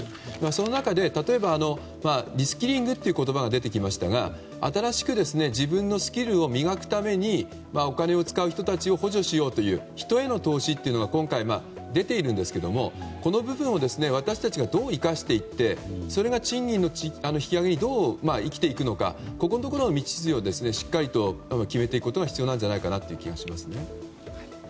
その中でたとえばディスキリングという言葉が出てきましたが新しく自分のスキルを磨くためにお金を使う人たちを補助しようという、人への投資が今回、出ていますがこの部分を私たちはどう生かしていってそれが賃金の引き上げにどう生きていくのかここのところをの道筋をしっかり決めていくことが大事なんじゃないかなと思います。